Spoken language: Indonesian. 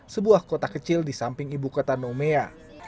sebuah kota kecil di samping ibu kota numea